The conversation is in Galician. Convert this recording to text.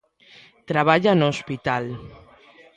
Traballa no hospital.